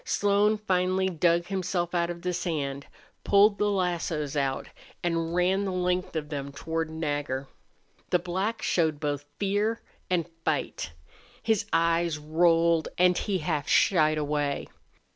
Slone finally dug himself out of the sand, pulled the lassos out, and ran the length of them toward Nagger. The black showed both fear and fight. His eyes rolled and he half shied away.